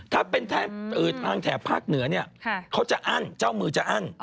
ถ้าเป็นทางแถบภาคเหนือเนี่ยเขาจะอั้นเจ้ามือจะอั้น